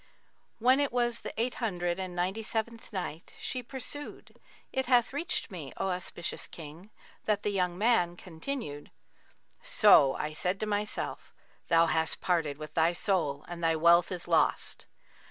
When it was the Eight Hundred and Ninety seventh Night, She pursued, It hath reached me, O auspicious King, that the young man continued, "So I said to myself, 'Thou hast parted with thy soul and thy wealth is lost.'